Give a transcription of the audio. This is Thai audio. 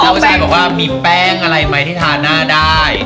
อาจารย์บอกว่ามีแป้งอะไรไหมที่ทาหน้าได้